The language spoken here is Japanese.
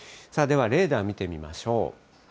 ではレーダー見てみましょう。